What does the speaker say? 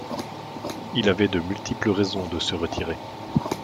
Il avait de multiples raisons de se retirer.